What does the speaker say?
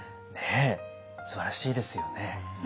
すばらしいですよね。